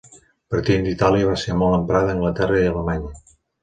Partint d'Itàlia va ser molt emprada a Anglaterra i Alemanya.